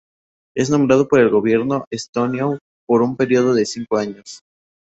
Es nombrado por el Gobierno estonio por un período de cinco años.